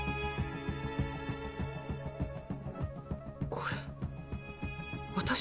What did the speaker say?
これ私？